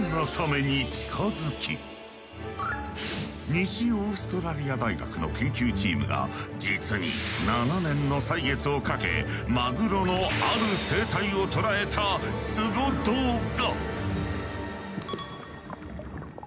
西オーストラリア大学の研究チームが実に７年の歳月をかけマグロのある生態を捉えたスゴ動画！